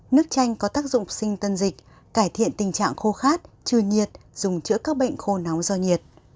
nước chanh có tác dụng sinh tân dịch cải thiện tình trạng khô khát trừ nhiệt dùng chữa các bệnh khô nóng do nhiệt